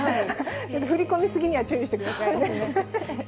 振り込み過ぎには注意してくださいね。